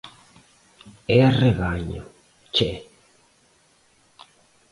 É arreganho, tchê